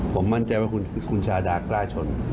ผมมั่นใจว่าคุณชาดากล้าชน